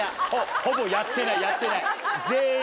ほぼやってないやってない。